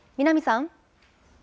南さん。